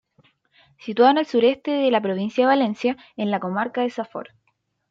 Situado en el sureste de la provincia de Valencia, en la comarca de Safor.